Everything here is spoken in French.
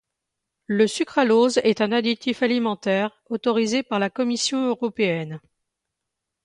Le sucralose est un additif alimentaire, autorisé par la Commission Européenne.